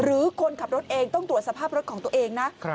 คนขับรถเองต้องตรวจสภาพรถของตัวเองนะ